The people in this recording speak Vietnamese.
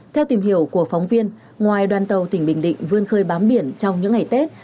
theo tìm hiểu của phóng viên ngoài đoàn tàu tỉnh bình định vươn khơi bám biển trong những ngày tết